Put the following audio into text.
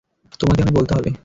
তোমাকে আমায় বলতে হবে।